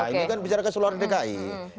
ini kan bicara ke seluruh dki